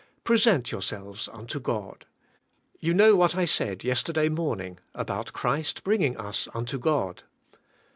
^^ Present yourselves unto God. You know what I said yesterday morning about Christ bring ing us unto God.